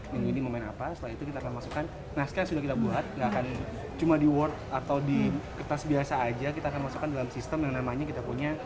sehingga masyarakat global bisa mengetahui